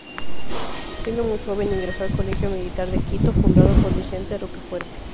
Siendo muy joven ingresó al Colegio Militar de Quito, fundado por Vicente Rocafuerte.